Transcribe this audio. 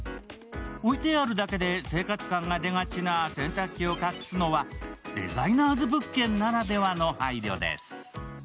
置いてあるだけで、生活感が出がちな洗濯機を隠すのはデザイナーズ物件ならではの配慮です。